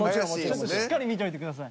しっかり見といてください。